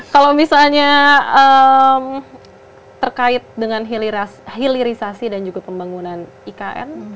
kalau misalnya terkait dengan hilirisasi dan juga pembangunan ikn